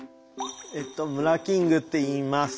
えっとムラキングっていいます。